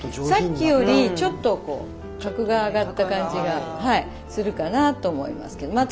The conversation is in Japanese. さっきよりちょっとこう格が上がった感じがするかなと思いますけど。